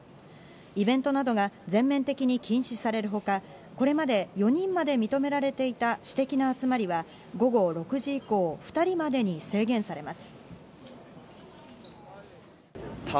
イベントなどが全面的に禁止されるほか、これまで４人まで認められていた私的な集まりは、午後６時以降、２人までに制限されます。